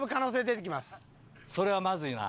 それはまずいな。